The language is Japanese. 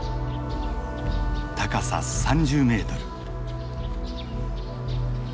高さ３０メートル。